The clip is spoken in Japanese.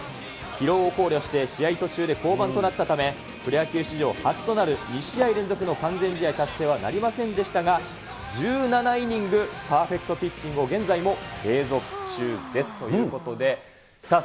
疲労を考慮して試合途中で降板となったため、プロ野球史上初となる２試合連続の完全試合達成はなりませんでしたが、１７イニングパーフェクトピッチングを現在も継続中ですということで、さあ、